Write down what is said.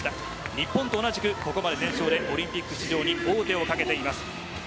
日本と同じくここまで全勝でオリンピック出場に王手をかけています。